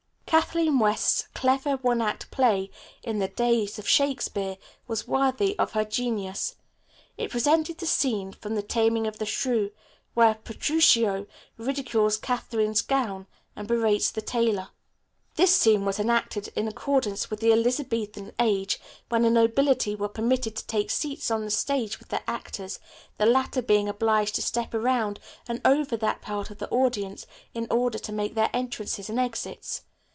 Kathleen West's clever one act play, "In the Days of Shakespeare," was worthy of her genius. It presented the scene from the "Taming of the Shrew," where Petruchio ridicules Katherine's gown and berates the tailor. This scene was enacted in accordance with the Elizabethan age, when the nobility were permitted to take seats on the stage with the actors, the latter being obliged to step around and over that part of the audience in order to make their entrances and exits.